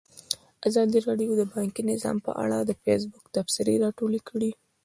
ازادي راډیو د بانکي نظام په اړه د فیسبوک تبصرې راټولې کړي.